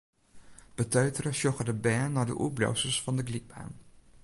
Beteutere sjogge de bern nei de oerbliuwsels fan de glydbaan.